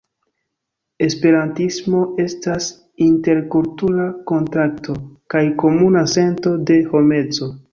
Esperantismo estas interkultura kontakto kaj komuna sento de homeco.